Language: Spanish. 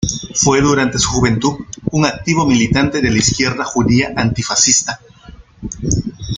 Fue durante su juventud un activo militante de la izquierda judía antifascista.